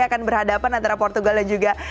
akan berhadapan antara portugal dan juga